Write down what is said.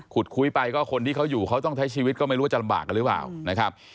คุยไปก็คนที่เขาอยู่เขาต้องใช้ชีวิตก็ไม่รู้ว่าจะลำบากกันหรือเปล่านะครับ